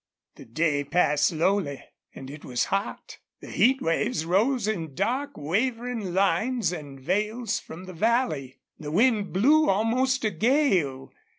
The day passed slowly, and it was hot. The heat waves rose in dark, wavering lines and veils from the valley. The wind blew almost a gale.